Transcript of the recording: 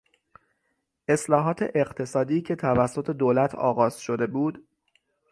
اصلاحات اقتصادی که توسط دولت آغاز شده بود